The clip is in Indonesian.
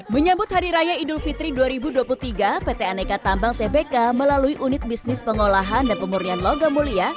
menyambut hari raya idul fitri dua ribu dua puluh tiga pt aneka tambang tbk melalui unit bisnis pengolahan dan pemurnian logam mulia